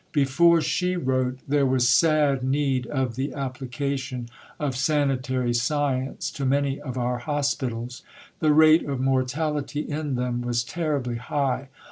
Before she wrote, there was sad need of the application of sanitary science to many of our hospitals. The rate of mortality in them was terribly high.